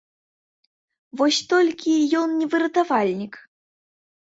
Вось толькі ён не выратавальнік.